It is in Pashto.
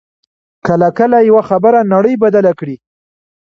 کله کله یوه خبره نړۍ بدله کړي